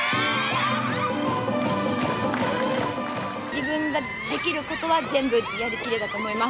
自分ができることは全部やりきれたと思います。